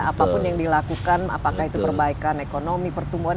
apapun yang dilakukan apakah itu perbaikan ekonomi pertumbuhan